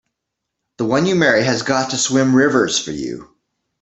The one you marry has got to swim rivers for you!